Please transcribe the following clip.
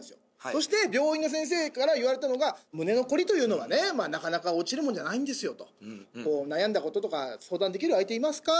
そして病院の先生から言われたのが胸のコリというのはねなかなか落ちるもんじゃないんですよと悩んだこととか相談できる相手いますか？